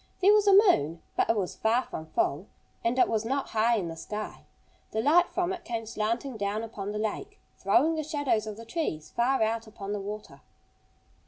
There was a moon. But it was far from full. And it was not high in the sky. The light from it came slanting down upon the lake, throwing the shadows of the trees far out upon the water.